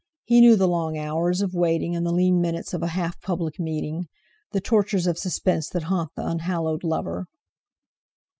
He knew the long hours of waiting and the lean minutes of a half public meeting; the tortures of suspense that haunt the unhallowed lover.